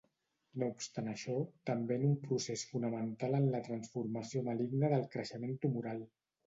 No obstant això també en un procés fonamental en la transformació maligna del creixement tumoral.